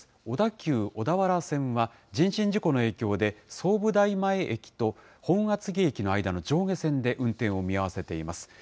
小田急小田原線は、人身事故の影響で、相武台前駅と、本厚木駅の間の上下線で運転を見合わせています。